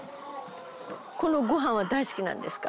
このご飯は大好きなんですか？